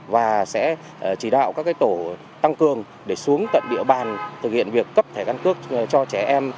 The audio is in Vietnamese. và sẽ chỉ đạo các tổ tăng cường để xuống tận địa bàn thực hiện việc cấp thẻ căn cước cho trẻ em